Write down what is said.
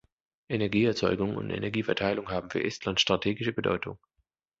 Energieerzeugung und Energieverteilung haben für Estland strategische Bedeutung.